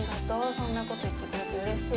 そんな事言ってくれて嬉しい。